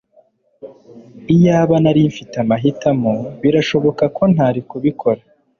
iyaba nari mfite amahitamo, birashoboka ko ntari kubikora